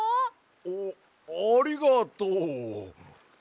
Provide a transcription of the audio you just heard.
あっありがとう。